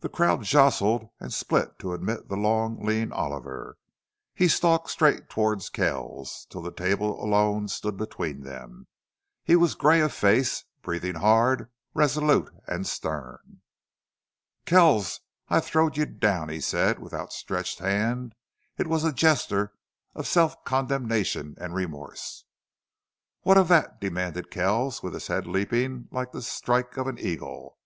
The crowd jostled and split to admit the long, lean Oliver. He stalked straight toward Kells, till the table alone stood between them. He was gray of face, breathing hard, resolute and stern. "Kells, I throwed you down!" he said, with outstretched hand. It was a gesture of self condemnation and remorse. "What of that?" demanded Kells, with his head leaping like the strike of an eagle.